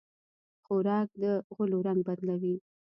خوراک د غولو رنګ بدلوي.